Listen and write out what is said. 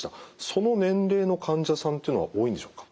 その年齢の患者さんというのは多いんでしょうか。